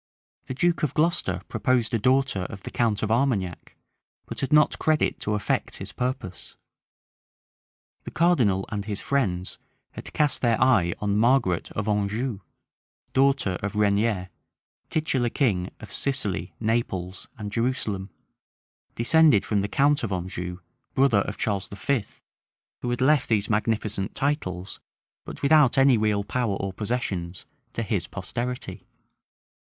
The duke of Glocester proposed a daughter of the count of Armagnac; but had not credit to effect his purpose. The cardinal and his friends had cast their eye on Margaret of Anjou, daughter of Regnier, titular king of Sicily, Naples, and Jerusalem, descended from the count of Anjou, brother of Charles V., who had left these magnificent titles, but without any real power or possessions, to his posterity.